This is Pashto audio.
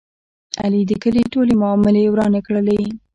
علي د کلي ټولې معاملې ورانې کړلې.